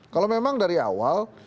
kalau memang dari awal